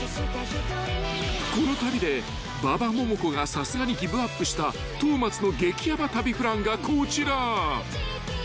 ［この旅で馬場ももこがさすがにギブアップした東松の激ヤバ旅プランがこちら］